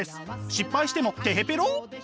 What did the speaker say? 失敗してもてへぺろ！